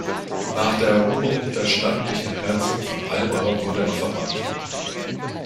Nach der Eroberung der Stadt durch den Herzog von Alba wurde er verbannt.